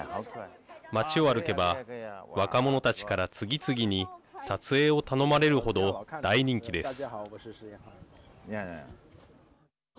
街を歩けば若者たちから次々に撮影を頼まれるほど大人気です。